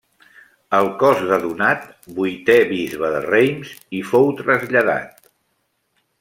El cos de Donat, vuitè bisbe de Reims i fou traslladat.